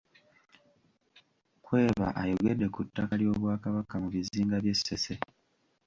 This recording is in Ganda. Kweba ayogedde ku ttaka ly’Obwakabaka mu bizinga by’e Ssese.